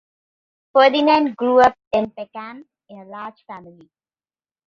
Ferdinand grew up in Peckham in a large family.